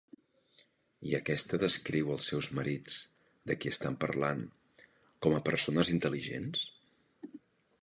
I aquesta descriu els seus marits, de qui estan parlant, com a persones intel·ligents?